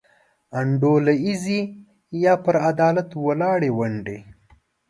انډولیزي یا پر عدالت ولاړې ونډې.